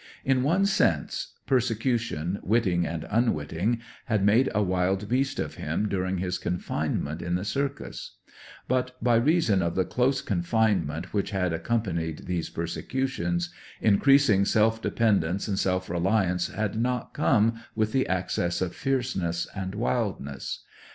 In one sense, persecution, witting and unwitting, had made a wild beast of him during his confinement in the circus; but, by reason of the close confinement which had accompanied these persecutions, increasing self dependence and self reliance had not come with the access of fierceness and wildness.